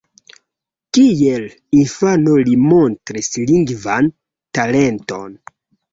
Kiel infano li montris lingvan talenton.